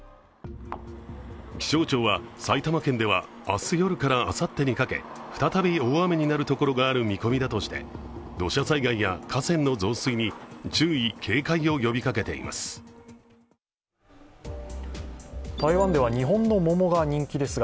気象庁は、埼玉県では明日夜からあさってにかけ再び大雨になる所がある見込みだとして土砂災害や河川の増水に注意・警戒を呼びかけています。